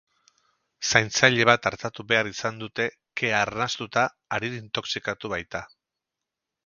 Zaintzaile bat artatu behar izan dute, kea arnastuta arin intoxikatu baita.